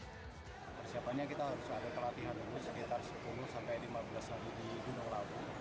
persiapannya kita harus ada perlatian terus sekitar sepuluh sampai lima belas hari di gunung rauh